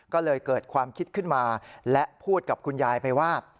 ก็เลยเกิดความคิดขึ้นมาและพูดกับคุณยายไปว่า